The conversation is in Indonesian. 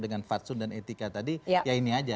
dengan fatsun dan etika tadi ya ini aja